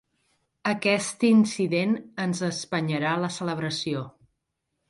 Aquest incident ens espenyarà la celebració.